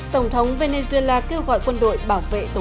tổng thống venezuela kêu gọi quân đội bảo vệ tổ quốc